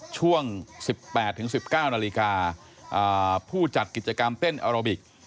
ช่วง๑๘๑๙นาฬิกาผู้จัดกิจกรรมเต้นอาราบิก